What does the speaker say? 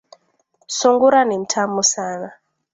Sungura ni mtamu sana